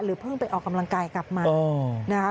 หรือเพิ่งไปออกกำลังกายกลับมา